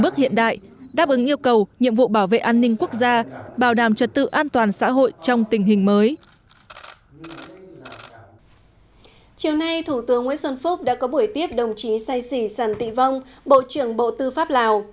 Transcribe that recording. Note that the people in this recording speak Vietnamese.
chiều nay thủ tướng nguyễn xuân phúc đã có buổi tiếp đồng chí say xỉ sản tị vong bộ trưởng bộ tư pháp lào